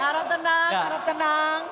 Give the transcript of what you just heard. harap tenang harap tenang